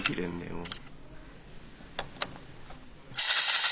もう。